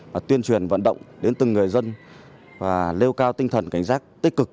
và tuyên truyền vận động đến từng người dân và nêu cao tinh thần cảnh giác tích cực